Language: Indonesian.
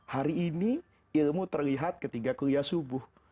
hari ini ilmu terlihat ketika kuliah subuh